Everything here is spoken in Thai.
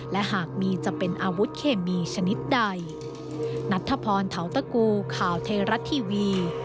และหากมีจะเป็นอาวุธเคมีชนิดใด